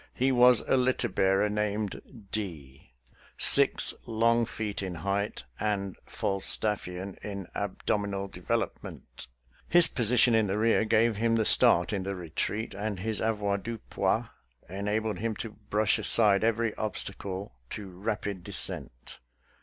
He was a litter bearer named D , six long feet in height, and Falstaffian in abdominal develop ment. His position in the rear gave him the start in the retreat, and his avoirdupois enabled him to brush aside every obstacle to rapid de scent.